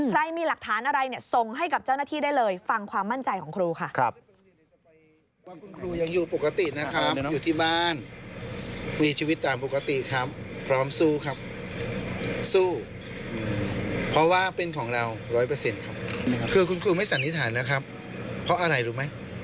ใครมีหลักฐานอะไรส่งให้กับเจ้าหน้าที่ได้เลย